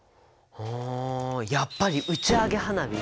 あやっぱり打ち上げ花火！